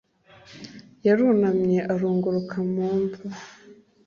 yarunamye arunguruka mu mva